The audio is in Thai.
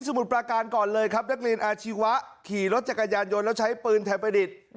มุดประการก่อนเลยครับนักเรียนอาชีวะขี่รถจักรยานยนต์แล้วใช้ปืนไทยประดิษฐ์